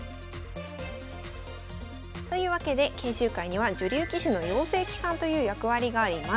というわけで研修会には女流棋士の養成機関という役割があります。